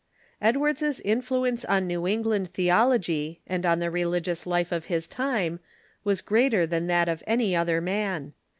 Edwards's influence on New England theology and on the religious life of his time was greater than that of any other man.